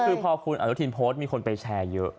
คือพอคุณอนุทินโพสต์มีคนไปแชร์เยอะ